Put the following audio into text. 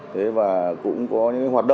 thế và cũng sử dụng rất nhiều loại công nghệ cao